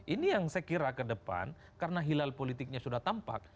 ini yang saya kira ke depan karena hilal politiknya sudah tampak